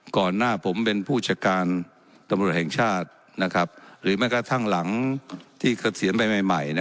ก่อนหน้าผมเป็นผู้จัดการตำรวจแห่งชาตินะครับหรือแม้ก็ทั้งหลังที่เขาเสียงใหม่ใหม่ใหม่นะ